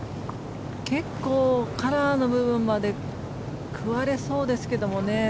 結構カラーの部分まで食われそうですけどね。